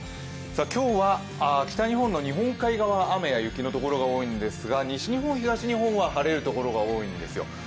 今日は北日本の日本海側は雨や雪のところが多いんですが、西日本、東日本は晴れるところが多いんですよ。